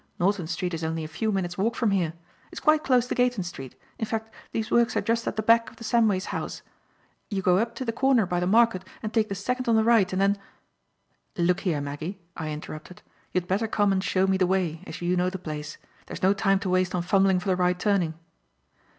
Norton Street is only a few minutes' walk from here. It's quite close to Gayton Street, in fact these works are just at the back of the Samway's house. You go up to the corner by the market and take the second on the right and then " "Look here, Maggie," I interrupted, "you'd better come and show me the way, as you know the place. There's no time to waste on fumbling for the right turning."